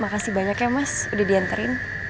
makasih banyak ya mas udah diantarin